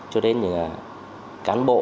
cho đến những lớp đào tạo của các công ty